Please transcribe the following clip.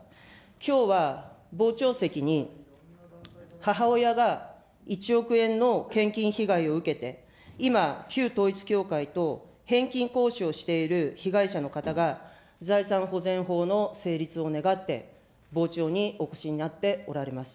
きょうは傍聴席に、母親が１億円の献金被害を受けて、今、旧統一教会と返金交渉をしている被害者の方が財産保全法の成立を願って、傍聴にお越しになっておられます。